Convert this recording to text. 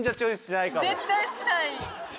絶対しない。